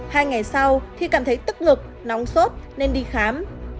hai ngày sau thì cảm thấy tức ngực nóng sốt nên đi khám